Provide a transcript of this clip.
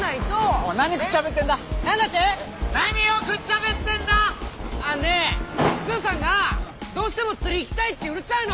あっねえスーさんがどうしても釣りに行きたいってうるさいの！